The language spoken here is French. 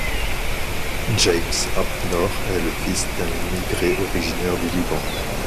James Abdnor est le fils d'un immigré originaire du Liban.